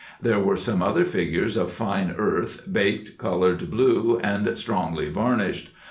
There were some other figures of fine earth baked, coloured blue, and strongly varnished.